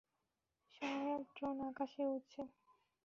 সহায়ক ড্রোন আকাশে উড়ছে।